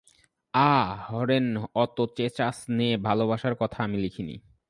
আঃ হরেন, অত চেঁচাস নে, ভালোবাসার কথা আমি লিখি নি।